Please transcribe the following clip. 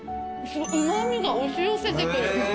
うま味が押し寄せてくる。